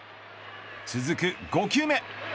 続く５球目。